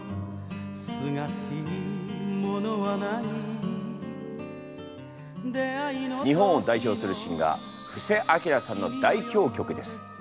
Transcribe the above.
「清しいものはない」日本を代表するシンガー布施明さんの代表曲です。